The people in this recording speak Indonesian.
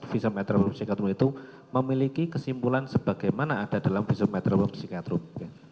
visum etropotum psikiatrum itu memiliki kesimpulan sebagaimana ada dalam visum etropotum psikiatrum